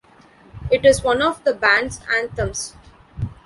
It is one of the band's "anthems".